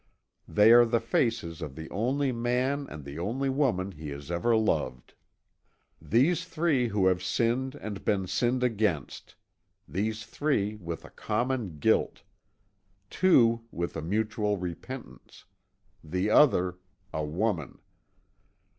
They are the faces of the only man and the only woman he has ever loved. These three who have sinned and been sinned against! These three with a common guilt! Two, with a mutual repentance. The other a woman!